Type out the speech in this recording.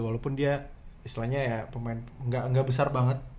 walaupun dia istilahnya ya pemain nggak besar banget